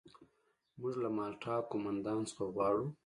موږ له مالټا قوماندان څخه غواړو.